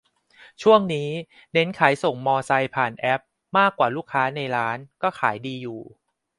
ช่วงนี้เน้นขายส่งมอไซค์ผ่านแอพ มากกว่าลูกค้าในร้าน ก็ขายดีอยู